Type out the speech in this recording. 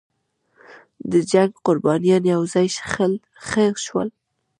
د جنګ قربانیان یو ځای ښخ شول.